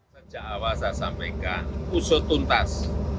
sejak awal saya sampaikan usut tuntas